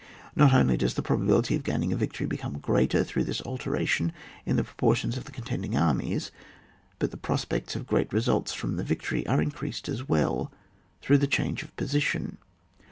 Not only does the probability of gaining a victory become greater through this alteration in the proportions of the contending armies, but the prospects of great results from the victory are increased as well, through the change of position.